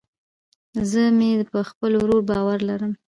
زه مې په خپل ورور باور لرم